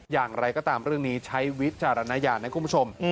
อย่างไรก็ตามเรื่องนี้ใช้วิจารณญาณนะคุณผู้ชม